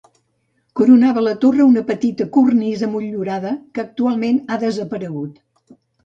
Coronava la torre una petita cornisa motllurada, que actualment ha desaparegut.